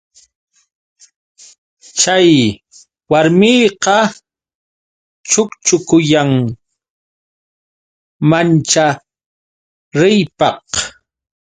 Chay warmiqa chukchukuyan manchariypaq.